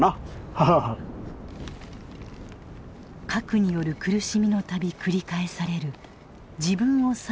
核による苦しみの度繰り返される「自分を最後に」という願い。